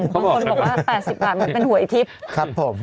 คนบอกว่า๘๐บาทมันเป็นหัวอิทธิปต์